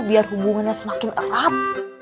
biar hubungannya semakin erat